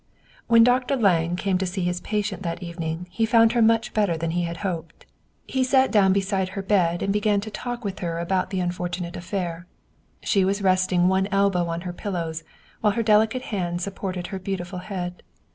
IV WHEN Dr. Lange came to see his patient that evening, he found her much better than he had hoped. He sat down beside her bed and began to talk with her about the unfortunate affair. She was resting one elbow on her pil lows, while her delicate hand supported her beautiful head.